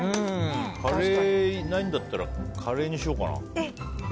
カレーいないんだったらカレーにしようかな。